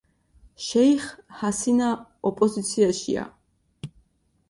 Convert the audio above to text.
შეიხ ჰასინა ოპოზიციაშია.